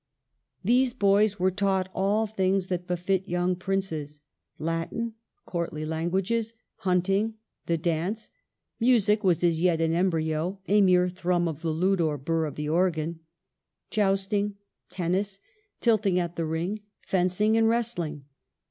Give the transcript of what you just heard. These boys were taught all things that befit young princes, — Latin, courtly languages, hunt ing, the dance (music was as yet in embryo, a mere thrum of the lute or burr of the organ), jousting, tennis, tilting at the ring, fencing, and wrestling.